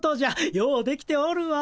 ようできておるわ。